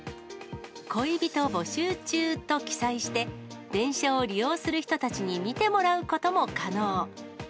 恋人募集中と記載して、電車を利用する人たちに見てもらうことも可能。